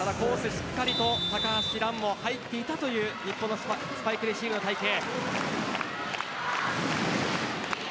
しっかりと高橋藍も入っていた日本のスパイクレシーブの体系。